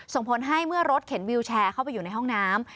ส่งผลให้เมื่อรถเข็นวิวแชร์เข้าไปอยู่ในห้องน้ำ